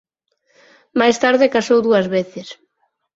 Máis tarde casou dúas veces.